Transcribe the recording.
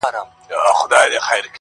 غربت مي شپې يوازي کړيدي تنها يمه زه,